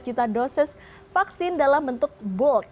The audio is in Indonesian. satu lima juta dosis vaksin dalam bentuk bulk